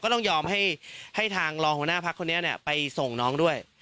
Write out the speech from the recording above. ต้องยอมให้ทางรองหัวหน้าพักคนนี้ไปส่งน้องด้วย